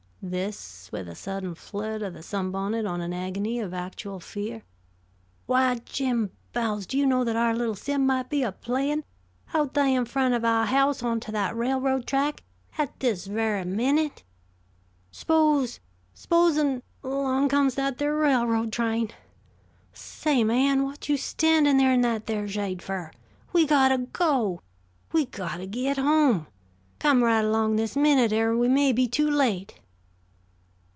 this with a sudden flirt of the sunbonnet in an agony of actual fear. "Why, Jim Bowles, do you know that our little Sim might be a playin', out thah in front of ouah house, on to that railroad track, at this very minute? S'pose, s'posen 'long comes that there railroad train? Say, man, whut you standin' there in that there shade fer? We got to go! We got to git home! Come right along this minute, er we may be too late."